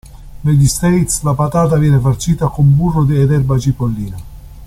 Negli "States" la patata viene farcita con burro ed erba cipollina.